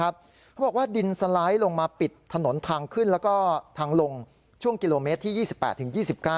เขาบอกว่าดินสไลด์ลงมาปิดถนนทางขึ้นแล้วก็ทางลงช่วงกิโลเมตรที่๒๘ถึง๒๙